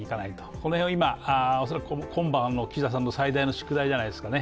この辺、今、今晩の岸田さんの最大の宿題じゃないですかね。